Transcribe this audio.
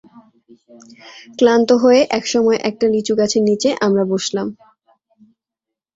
ক্লান্ত হয়ে একসময় একটা লিচুগাছের নিচে আমরা বসলাম।